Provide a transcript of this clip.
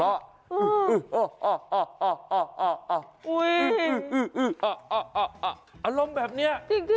อารมณ์แบบนี้